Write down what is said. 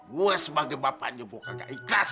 gue sebagai bapaknya gue kagak ikhlas